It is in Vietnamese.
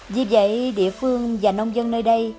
vì vậy địa phương và nông dân nơi đây